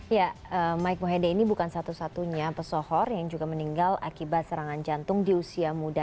ya mike mohede ini bukan satu satunya pesohor yang juga meninggal akibat serangan jantung di usia muda